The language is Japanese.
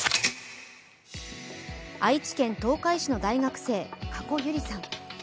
愛知県東海市の大学生、加古結莉さん。